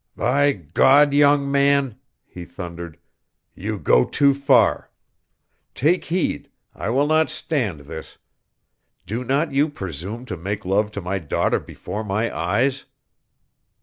"By God, young man!" he thundered, "you go too far! Take heed! I will not stand this! Do not you presume to make love to my daughter before my eyes!"